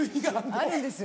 あるんですよ。